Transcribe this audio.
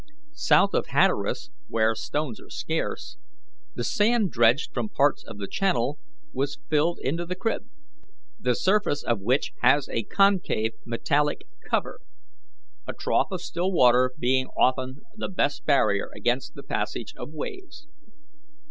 South of Hatteras, where stones are scarce, the sand dredged from parts of the channel was filled into the crib, the surface of which has a concave metallic cover, a trough of still water being often the best barrier against the passage of waves.